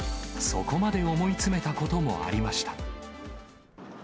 そこまで思い詰めたこともありました。